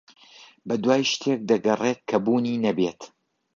بەدوای شتێک دەگەڕێت کە بوونی نەبێت.